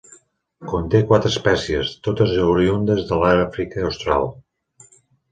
Conté quatre espècies, totes oriündes de l'Àfrica Austral.